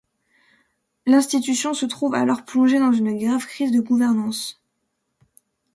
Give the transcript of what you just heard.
L'institution se trouve alors plongée dans une grave crise de gouvernance.